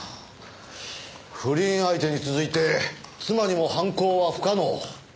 不倫相手に続いて妻にも犯行は不可能。